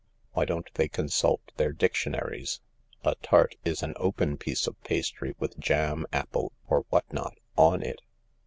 Why don't they con sult their dictionaries ? A tart is an open piece of pastry with jam, apple, or what not on it.